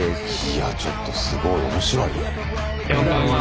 いやちょっとすごい面白いね。